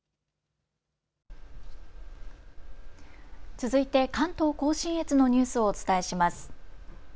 続いて関東甲信越のニュースをお伝えします。